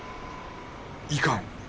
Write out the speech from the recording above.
いかん！